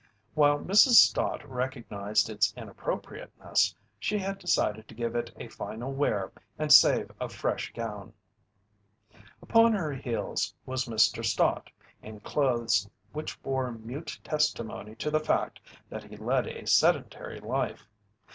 While Mrs. Stott recognized its inappropriateness, she had decided to give it a final wear and save a fresh gown. Upon her heels was Mr. Stott, in clothes which bore mute testimony to the fact that he led a sedentary life. Mr.